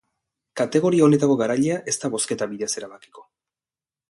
Kategoria honetako garailea ez da bozketa bidez erabakiko.